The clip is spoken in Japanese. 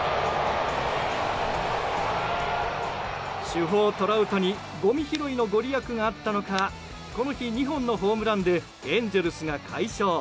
主砲トラウトにごみ拾いのご利益があったのかこの日、２本のホームランでエンゼルスが快勝。